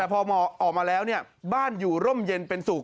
พอออกมาแล้วบ้านอยู่ร่มเย็นเป็นสุข